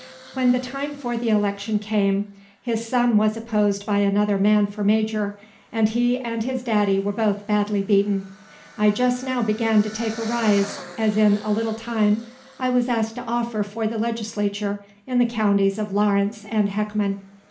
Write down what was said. When the time for the election came, his son was opposed by another man for major; and he and his daddy were both badly beaten. I just now began to take a rise, as in a little time I was asked to offer for the Legislature in the counties of Lawrence and Heckman.